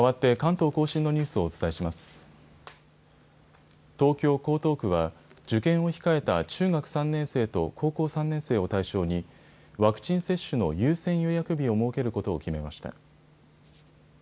東京・江東区は、受験を控えた中学３年生と高校３年生を対象に、ワクチン接種の優先予約日を設けることを決めました。